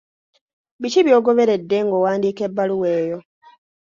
Biki by'ogoberedde ng'owandiika ebbaluwa eyo?